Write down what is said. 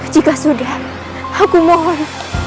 jika sudah aku mohon